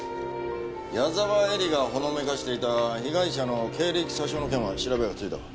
矢沢絵理がほのめかしていた被害者の経歴詐称の件は調べはついたか？